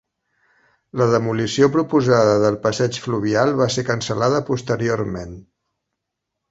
La demolició proposada del passeig fluvial va ser cancel·lada posteriorment.